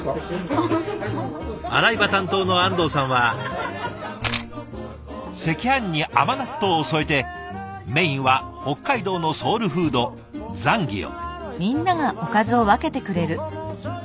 洗い場担当の安藤さんは赤飯に甘納豆を添えてメインは北海道のソウルフードザンギを。